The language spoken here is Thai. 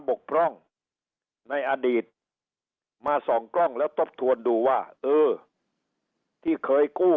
กพร่องในอดีตมาส่องกล้องแล้วทบทวนดูว่าเออที่เคยกู้